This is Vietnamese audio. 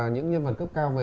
những nhân vật cấp cao về